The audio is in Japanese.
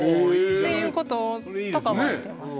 っていうこととかもしてます。